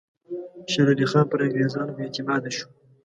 شېر علي خان پر انګریزانو بې اعتماده شو.